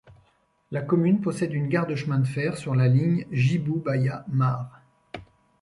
La commune possède une gare de chemin de fer sur la ligne Jibou-Baia Mare.